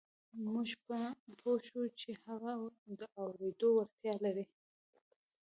موږ پوه شوو چې هغه د اورېدو وړتیا لري